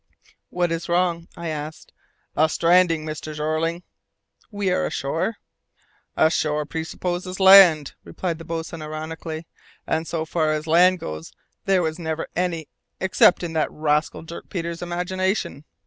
"What is wrong?" I asked. "A stranding, Mr. Jeorling." "We are ashore!" "A shore presupposes land," replied the boatswain ironically, "and so far as land goes there was never any except in that rascal Dirk Peters' imagination."